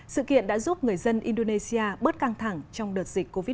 sự kiện đã giúp người dân indonesia bớt căng thẳng trong đợt dịch covid một mươi chín